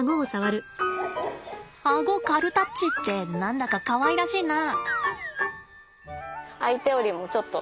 顎軽タッチって何だかかわいらしいな。